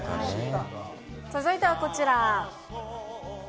続いてはこちら。